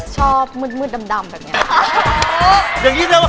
ชอบมืดดำแบบนี้